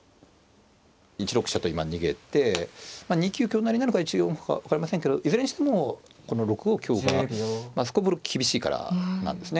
１六飛車と今逃げて２九香成なのか１四歩か分かりませんけどいずれにしてもこの６五香がすこぶる厳しいからなんですね。